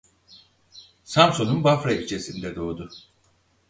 Samsun'un Bafra ilçesinde doğdu.